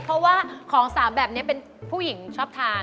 เพราะว่าของ๓แบบนี้เป็นผู้หญิงชอบทาน